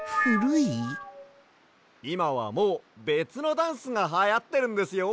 いまはもうべつのダンスがはやってるんですよ。